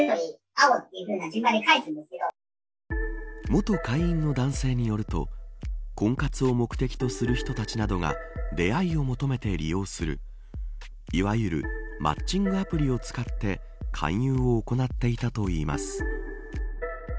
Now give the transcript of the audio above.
元会員の男性によると婚活を目的とする人たちなどが出会いを求めて利用するいわゆるマッチングアプリを使って勧誘を行っていたといいます。